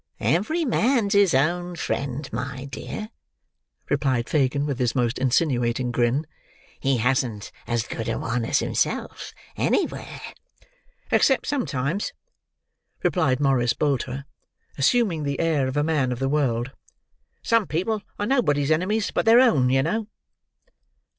"Every man's his own friend, my dear," replied Fagin, with his most insinuating grin. "He hasn't as good a one as himself anywhere." "Except sometimes," replied Morris Bolter, assuming the air of a man of the world. "Some people are nobody's enemies but their own, yer know."